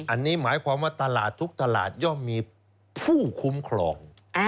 อันนี้หมายความว่าตลาดทุกตลาดย่อมมีผู้คุ้มครอง